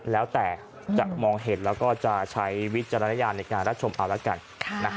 แล้วแต่จะมองเห็นแล้วก็จะใช้วิจารณญาณในการรับชมเอาละกัน